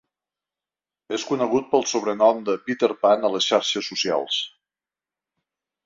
És conegut pel sobrenom de Peter Pan a les xarxes socials.